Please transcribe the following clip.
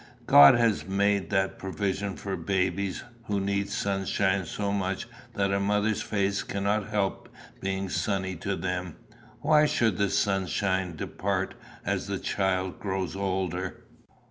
God has made that provision for babies, who need sunshine so much that a mother's face cannot help being sunny to them: why should the sunshine depart as the child grows older?